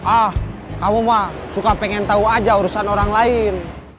ah kamu mah suka pengen tahu aja urusan orang lain